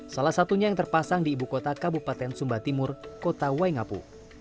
salah satunya yang terpasang di ibu kota kabupaten sumba timur kota waingapu